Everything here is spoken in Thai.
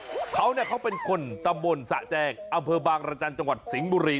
เก่งด้วยครับเขาเนี่ยเขาเป็นคนตะบนสะแจงอำเภอบางรจันทร์จังหวัดสิงห์บุรี